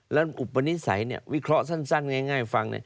แล้วอุปนิสัยวิเคราะห์สั้นง่ายฟัง